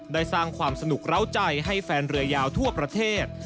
ได้สร้างความสนุกเล่าใจให้แฟนเรือยาวทั่วประเทศ